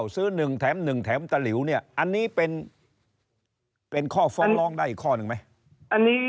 ซื้อ๑แถม๑แถมตะหลิวเนี่ยอันนี้เป็นข้อฟ้องร้องได้อีกข้อหนึ่งไหม